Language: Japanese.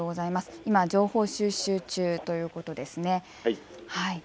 今、情報収集中ということですね。